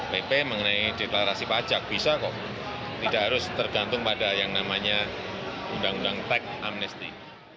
pp mengenai deklarasi pajak bisa kok tidak harus tergantung pada yang namanya undang undang teks amnesty